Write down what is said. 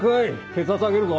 血圧上げるぞ。